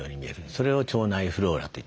それを腸内フローラと言ってます。